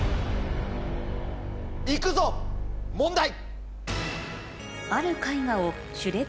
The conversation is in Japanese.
行くぞ問題！